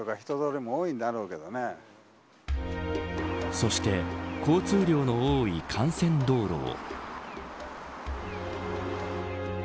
そして交通量の多い幹線道路を。